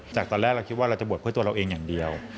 จากตอนแรกเราคิดว่าเราจะบวชเพื่อตัวเราเองอย่างเดียว